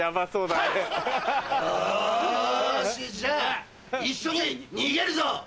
よしじゃあ一緒に逃げるぞ！